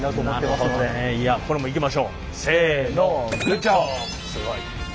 すごい。